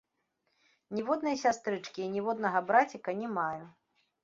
Ніводнай сястрычкі і ніводнага браціка не маю.